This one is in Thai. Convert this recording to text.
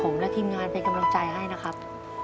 ผมและทีมงานเป็นกำลังใจให้นะครับ